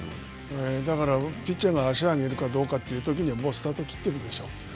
だから、ピッチャーが足を上げるかどうかというときにはもうスタートを切ってるでしょう。